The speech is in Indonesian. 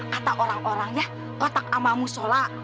kata orang orangnya kotak amalmu sholat